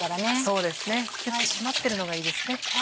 そうですね締まっているのがいいですね。